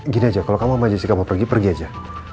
gini aja kalau kamu sama jessica mau pergi pergi aja